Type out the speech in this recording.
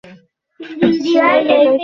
প্রথমে তাকে দেবে, পরে আমাকে, এটাই চুক্তি ছিল।